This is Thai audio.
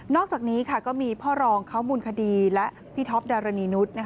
อกจากนี้ก็มีพ่อรองเขามูลคดีและพี่ท็อปดารณีนุษย์